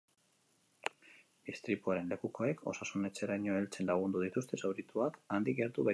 Istripuaren lekukoek osasun-etxeraino heltzen lagundu dituzte zaurituak, handik gertu baitzegoen.